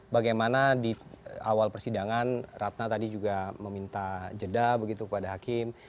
bagaimana di awal persidangan ratna tadi juga meminta jeda begitu kepada hakim